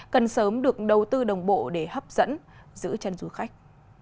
cần sớm được đầu tư đồng bộ để hấp dẫn giữ chân du khách